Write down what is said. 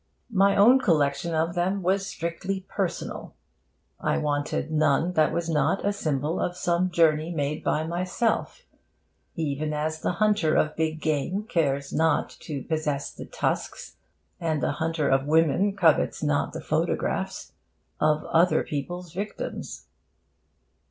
My own collection of them was strictly personal: I wanted none that was not a symbol of some journey made by myself, even as the hunter of big game cares not to possess the tusks, and the hunter of women covets not the photographs, of other people's victims.